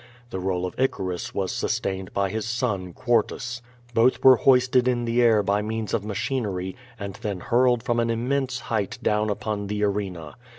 The role of Icarus was sustained by his son, Quartus. Both were hoisted? in the air by means of machinery, and then hurled from 'an immense height down upon the arena.